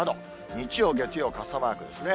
日曜、月曜、傘マークですね。